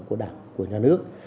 của đảng của nhà nước